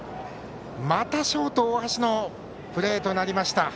また、ショート、大橋のプレーとなりました。